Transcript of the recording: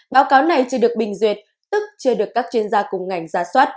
báo cáo này chưa được bình duyệt tức chưa được các chuyên gia cùng ngành ra soát